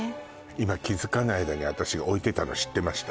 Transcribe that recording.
今気付かない間に私が置いてたの知ってました？